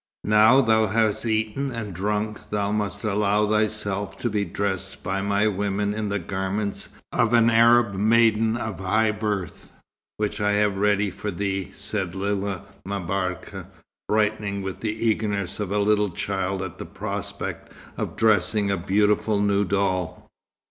"Now thou hast eaten and drunk, thou must allow thyself to be dressed by my women in the garments of an Arab maiden of high birth, which I have ready for thee," said Lella M'Barka, brightening with the eagerness of a little child at the prospect of dressing a beautiful new doll.